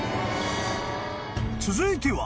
［続いては］